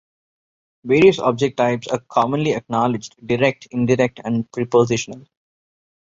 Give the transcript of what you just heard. Various object types are commonly acknowledged: "direct", "indirect", and "prepositional".